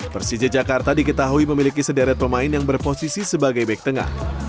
persija jakarta diketahui memiliki sederet pemain yang berposisi sebagai back tengah